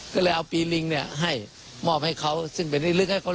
ก็เลยเอาปีลิงเนี่ยให้มอบให้เขาซึ่งเป็นที่ลึกให้เขา